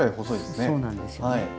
そうなんですよね。